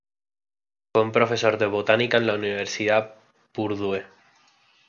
Fue profesor de botánica en la Universidad Purdue.